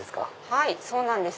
はいそうなんです。